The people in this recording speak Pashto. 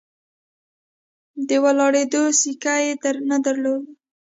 د ولاړېدو سېکه یې نه درلوده.